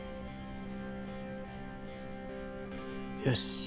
よし。